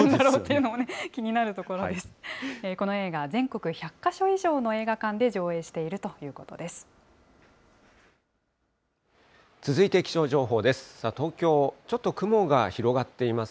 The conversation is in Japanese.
この映画は全国１００か所以上の映画館で上映しているということです。